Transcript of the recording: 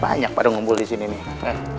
banyak pada ngumpul disini nih